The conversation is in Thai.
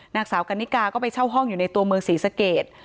นางสาวกันนิกาก็ไปเช่าห้องอยู่ในตัวเมืองศรีสเกต